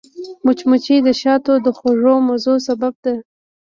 مچمچۍ د شاتو د خوږو مزو سبب ده